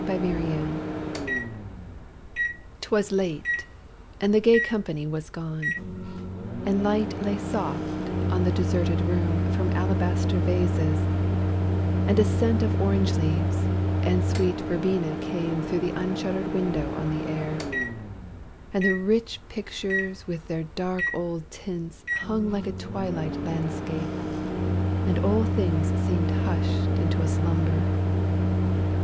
THE DECLARATION. 'Twas late, and the gay company was gone, And light lay soft on the deserted room From alabaster vases, and a scent Of orange leaves, and sweet verbena came Through the unshutter'd window on the air, And the rich pictures with their dark old tints Hung like a twilight landscape, and all things Seem'd hush'd into a slumber.